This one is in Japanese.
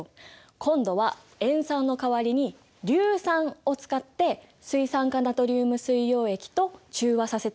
今度は塩酸の代わりに硫酸を使って水酸化ナトリウム水溶液と中和させてみるよ。